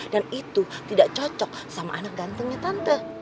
dan itu tidak cocok sama anak gantengnya tante